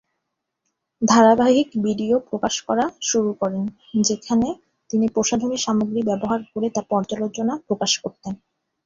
ধারাবাহিক ভিডিও প্রকাশ করা শুরু করেন, যেখানে তিনি প্রসাধনী সামগ্রী ব্যবহার করে তার পর্যালোচনা প্রকাশ করতেন।